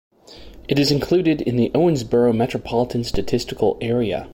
It is included in the Owensboro Metropolitan Statistical Area.